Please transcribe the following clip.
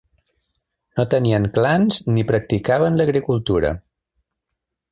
No tenien clans ni practicaven l'agricultura.